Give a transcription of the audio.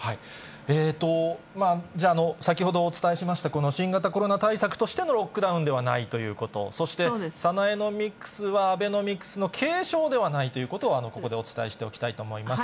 先ほどお伝えしました、この新型コロナ対策としてのロックダウンではないということ、そしてサナエノミクスはアベノミクスの継承ではないということをここでお伝えしておきたいと思います。